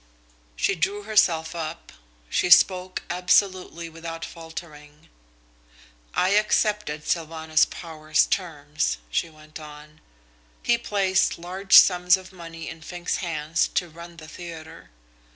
She drew herself up. She spoke absolutely without faltering. "I accepted Sylvanus Power's terms," she went on. "He placed large sums of money in Fink's hands to run the theatre.